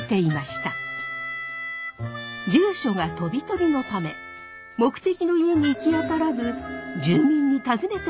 住所がとびとびのため目的の家に行きあたらず住民に尋ねて歩く